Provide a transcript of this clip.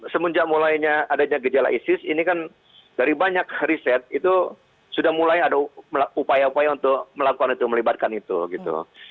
semenjak mulainya adanya gejala isis ini kan dari banyak riset itu sudah mulai ada upaya upaya untuk melakukan itu melibatkan itu gitu